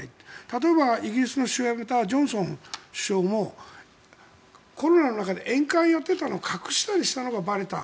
例えばイギリスの首相を辞めたジョンソン首相もコロナの中で宴会をやっていたのを隠したりしたのがばれた。